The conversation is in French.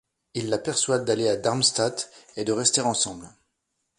Il la persuade d'aller à Darmstadt et de rester ensemble.